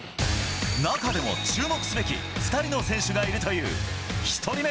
中でも注目すべき２人の選手がいるという。